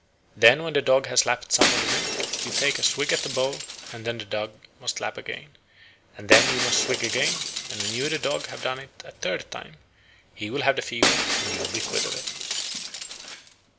Then when the dog has lapped some of the milk, you take a swig at the bowl; and then the dog must lap again, and then you must swig again; and when you and the dog have done it the third time, he will have the fever and you will be quit of it.